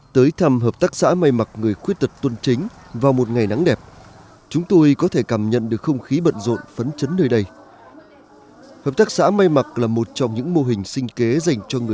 tới thăm hợp tác xã mây mặc người khuyết tật tuân chính vào một ngày nắng đẹp chúng tôi có thể cảm nhận được không khí bận rộn